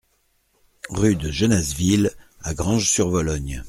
Rue de Genazeville à Granges-sur-Vologne